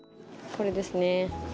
これですね。